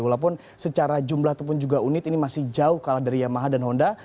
walaupun secara jumlah ataupun juga unit ini masih jauh kalah dari yamaha dan honda